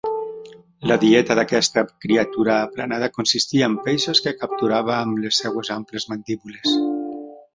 La dieta d'aquesta criatura aplanada consistia en peixos que capturava amb les seves amples mandíbules.